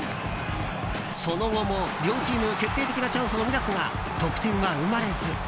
その後も両チーム決定的なチャンスを生み出すが得点は生まれず。